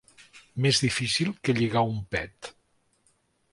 Més difícil que lligar un pet.